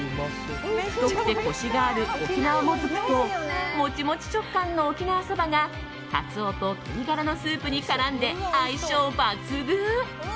太くてコシがある沖縄もずくとモチモチ食感の沖縄そばがカツオと鶏ガラのスープに絡んで相性抜群。